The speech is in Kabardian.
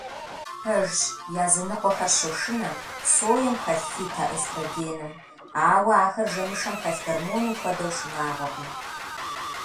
Пэжщ, языныкъуэхэр щошынэ соем хэлъ фитоэстрогеным, ауэ ахэр жэмышэм хэлъ гормоным хуэдэу шынагъуэкъым.